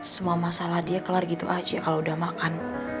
semua masalah dia kelar gitu aja kalau udah makan